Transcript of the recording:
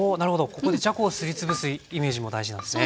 ここでじゃこをすり潰すイメージも大事なんですね。